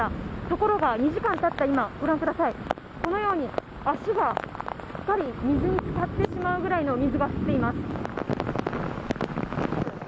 ところが２時間経った今このように足がすっかり水に浸かってしまうぐらいの雨が降っています。